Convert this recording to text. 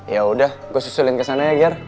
ya udah gua susulin kesana ya ger